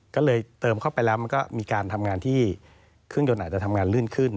ก็เลยเติมเข้าไปแล้วมันก็มีการทำงานที่เครื่องยนต์อาจจะทำงานลื่นขึ้น